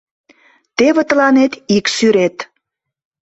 Теве тыланет ик сӱрет.